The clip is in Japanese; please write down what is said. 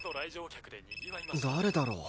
誰だろう？